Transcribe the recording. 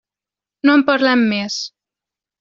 No en parlem més.